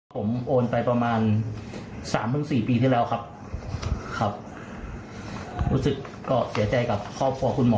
ผมโอนไปประมาณ๓๔ปีที่แล้วครับ